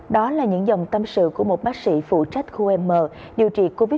đó là những dòng tâm sự của một bác sĩ phụ trách khu m điều trị covid một mươi chín